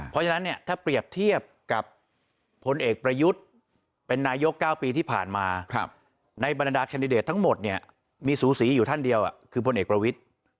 เพราะฉะนั้นเนี่ยถ้าเปรียบเทียบกับพลเอกประยุทธ์เป็นนายก๙ปีที่ผ่านมาในบรรดาแคนดิเดตทั้งหมดเนี่ยมีสูสีอยู่ท่านเดียวคือพลเอกประวิทธิ์